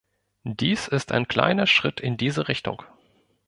Dies ist ein kleiner Schritt in diese Richtung.